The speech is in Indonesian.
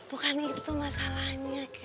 bukan itu masalahnya kev